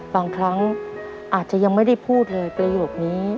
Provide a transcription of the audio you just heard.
บางครั้งอาจจะยังไม่ได้พูดเลยประโยคนี้